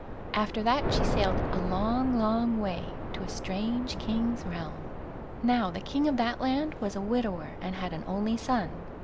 After that she sailed a long, long way, to a strange king's realm. Now the king of that land was a widower, and had an only son.